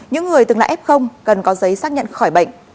những người từng là f cần có giấy xác nhận khỏi bệnh